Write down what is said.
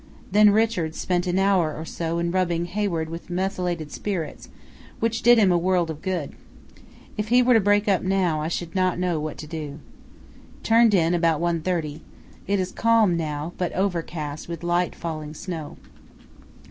Then Richards spent an hour or so in rubbing Hayward with methylated spirits, which did him a world of good. If he were to break up now I should not know what to do. Turned in about 1.30. It is now calm, but overcast with light falling snow.